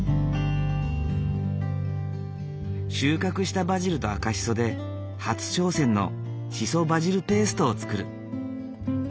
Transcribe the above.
収穫したバジルとアカシソで初挑戦のシソバジルペーストを作る。